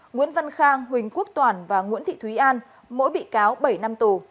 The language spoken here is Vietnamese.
nguyễn văn khang huỳnh quốc toàn và nguyễn thị thúy an mỗi bị cáo bảy năm tù